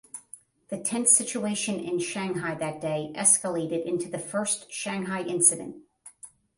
The tense situation in Shanghai that day escalated into the first Shanghai incident.